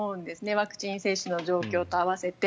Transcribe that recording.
ワクチン接種の状況と合わせて。